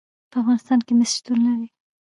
په افغانستان کې مس شتون لري.